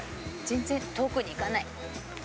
全然遠くに行かない。